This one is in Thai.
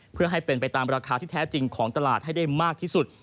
เพื่อให้เป็นไปตามราคาที่แท้จริงของตลาดให้ได้มากที่สุด